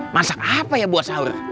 masak apa ya buat sahur